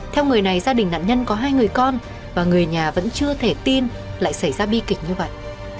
theo người này gia đình nạn nhân có hai người con và người nhà vẫn chưa thể tin lại xảy ra bi kịch như vậy